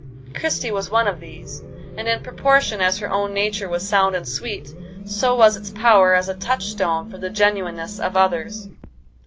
Christie was one of these; and in proportion as her own nature was sound and sweet so was its power as a touchstone for the genuineness of others.